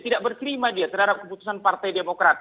tidak berterima dia terhadap keputusan partai demokrat